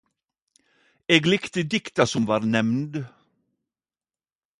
Eg likte dikta som var nemnd.